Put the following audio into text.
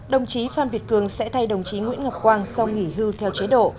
đồng chí phan việt cường sẽ thay đồng chí nguyễn ngọc quang sau nghỉ hưu theo chế độ